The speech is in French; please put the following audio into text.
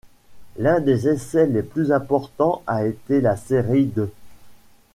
L'un des essais les plus importants a été la série d'.